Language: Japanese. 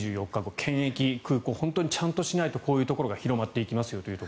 検疫、空港、ちゃんとしないとこういうところが広がってきますよと。